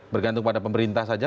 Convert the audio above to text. bergantung pada pemerintah saja